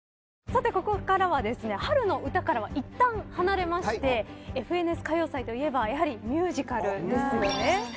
ここからはですね春のうたからはいったん離れまして『ＦＮＳ歌謡祭』といえばやはりミュージカルですよね。